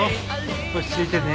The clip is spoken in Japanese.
落ち着いてね。